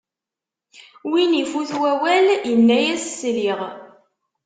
Win ifut wawal, yini-as: sliɣ!